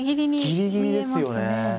ギリギリですよね。